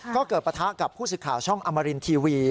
ก็เกิดประทะกับผู้สิทธิ์ข่าวช่องอัมมารินทีวี